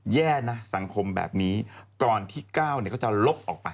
แย่นะสังคมแบบนี้ก่อนที่ก้าวก็จะลบออกไป